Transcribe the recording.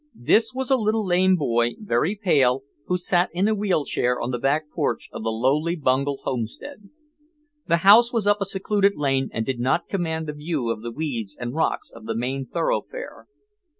This was a little lame boy, very pale, who sat in a wheel chair on the back porch of the lowly Bungel homestead. The house was up a secluded lane and did not command a view of the weeds and rocks of the main thoroughfare.